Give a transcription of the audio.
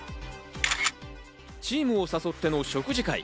チームを誘っての食事会。